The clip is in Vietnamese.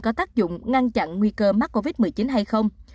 có tác dụng ngăn chặn nguy cơ mắc covid một mươi chín hay không